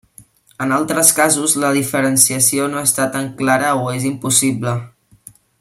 En altres casos, la diferenciació no està tan clara o és impossible.